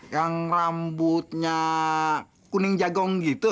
yang rambutnya kuning jagung gitu